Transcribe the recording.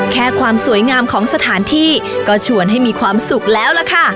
ความสวยงามของสถานที่ก็ชวนให้มีความสุขแล้วล่ะค่ะ